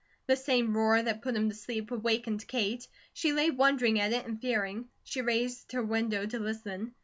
The same roar that put him to sleep, awakened Kate. She lay wondering at it and fearing. She raised her window to listen.